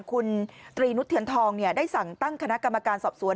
คุณตรีนุษเทียนทองได้สั่งตั้งคณะกรรมการสอบสวน